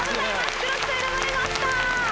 黒木さん選ばれました。